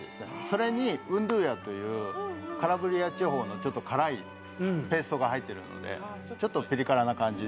それにウンドゥーヤというカラブリア地方のちょっと辛いペーストが入っているのでちょっとピリ辛な感じ。